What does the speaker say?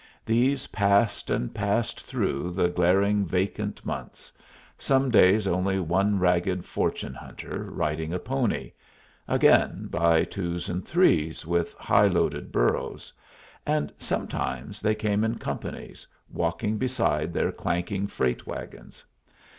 These passed and passed through the glaring vacant months some days only one ragged fortune hunter, riding a pony; again by twos and threes, with high loaded burros; and sometimes they came in companies, walking beside their clanking freight wagons.